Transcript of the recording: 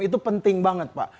itu penting banget pak